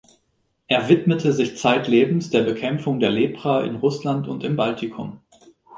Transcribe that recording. Er widmete sich zeitlebens der Bekämpfung der Lepra in Russland und im Baltikum.